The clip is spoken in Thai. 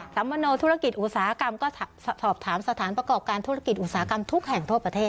ัมมโนธุรกิจอุตสาหกรรมก็สอบถามสถานประกอบการธุรกิจอุตสาหกรรมทุกแห่งทั่วประเทศ